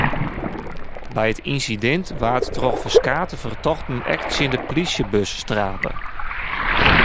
By it ynsidint waard troch ferskate fertochten ek tsjin de plysjebus trape.